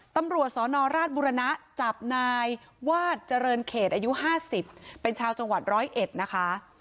ตำรวจสนราชบุรณะจับนายวาดเจริญเขตอายุ๕๐เป็นชาวจังหวัดร้อยเอ็ดนะคะ